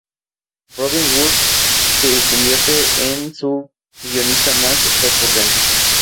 Robin Wood se convierte en su guionista más recurrente.